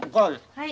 はい。